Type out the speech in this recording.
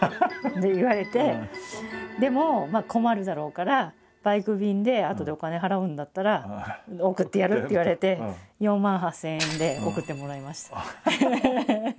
「でも困るだろうからバイク便であとでお金払うんだったら送ってやる」って言われて４万８，０００円で送ってもらいました。